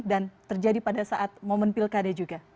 dan terjadi pada saat momen pilkada juga